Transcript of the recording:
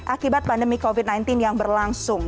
akibat pandemi covid sembilan belas yang berlangsung